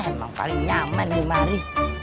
emang kali nyaman hari hari